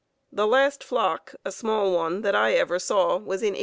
The last flock, a small one, that I ever saw was in 1891.